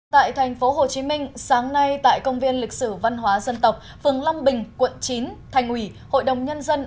tại tp hcm sáng nay tại công viên lịch sử văn hóa dân tộc phường long bình quận chín thành ủy hội đồng nhân dân